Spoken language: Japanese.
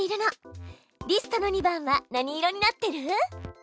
リストの２番は何色になってる？